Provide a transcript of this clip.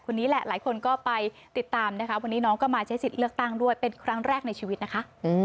นี้แหละหลายคนก็ไปติดตามนะคะวันนี้น้องก็มาใช้สิทธิ์เลือกตั้งด้วยเป็นครั้งแรกในชีวิตนะคะ